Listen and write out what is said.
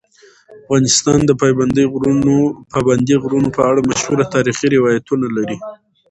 افغانستان د پابندی غرونه په اړه مشهور تاریخی روایتونه لري.